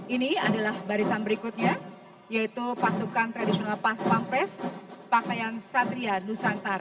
ini adalah barisan berikutnya yaitu pasukan tradisional pas pampres pakaian satria nusantara